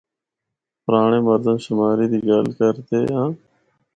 پرانڑے مردم شماری دی گل کردے آں۔